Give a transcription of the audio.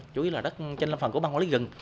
chủ yếu là đất trên lâm phần của ban hóa lý gừng